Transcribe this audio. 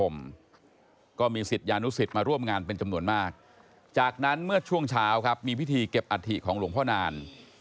มินาทีของหลวงพ่อนาน